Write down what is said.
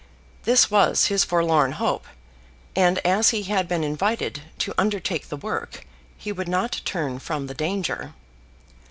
This was his forlorn hope; and as he had been invited to undertake the work, he would not turn from the danger.